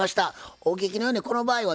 お聞きのようにこの場合はですね